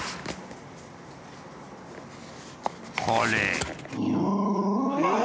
［これ］